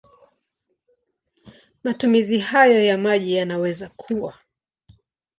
Matumizi hayo ya maji yanaweza kuwa